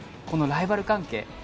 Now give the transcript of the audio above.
このライバル関係。